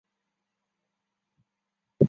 普热米斯尔王朝的波希米亚公爵。